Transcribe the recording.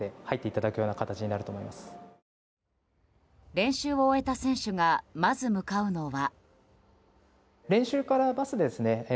練習を終えた選手がまず向かうのは。